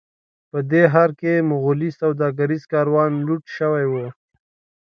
په دې ښار کې مغولي سوداګریز کاروان لوټ شوی و.